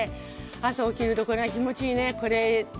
朝起きると、これが気持ちいいね。